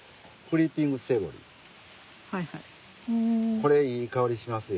これいい香りしますよ。